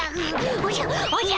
おじゃおじゃ！